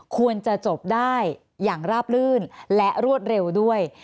ควรจะจบได้อย่างราบลื่นและรวดเร็วด้วย